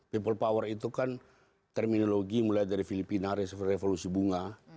people power itu kan terminologi mulai dari filipina revolusi bunga